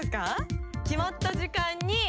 決まった時間に。